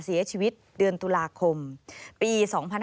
เสียชีวิตเดือนตุลาคมปี๒๕๕๙